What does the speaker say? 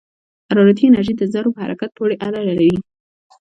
حرارتي انرژي د ذرّو په حرکت پورې اړه لري.